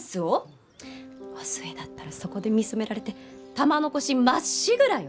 お寿恵だったらそこで見初められて玉のこしまっしぐらよ！